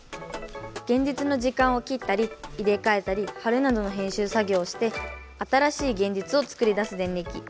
現実の時間を切ったり入れ替えたり貼るなどの編集作業をして新しい現実を作り出すデンリキ。